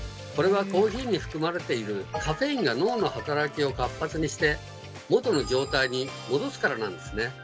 これはコーヒーに含まれているカフェインが脳の働きを活発にして元の状態に戻すからなんですね。